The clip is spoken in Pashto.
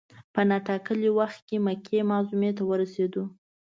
په نا ټا کلي وخت مکې معظمې ته ورسېدو.